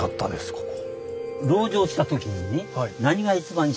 ここ。